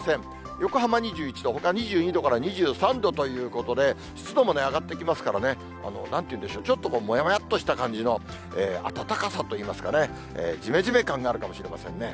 横浜２１度、ほか２２度から２３度ということで、湿度も上がってきますからね、なんていうんでしょう、ちょっとこう、もやもやっとした感じの暖かさといいますかね、じめじめ感があるかもしれませんね。